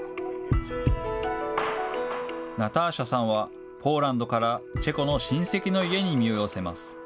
ナターシャさんは、ポーランドからチェコの親戚の家に身を寄せます。